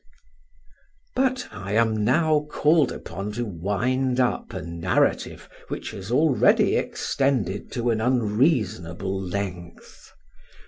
But I am now called upon to wind up a narrative which has already extended to an unreasonable length.